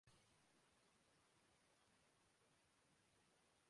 ایسی روش عقل کے زمرے میں نہیںآتی۔